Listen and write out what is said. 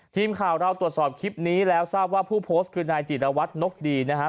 ทีมข่าวเราตรวจสอบคลิปนี้แล้วทราบว่าผู้โพสต์คือนายจิรวัตรนกดีนะครับ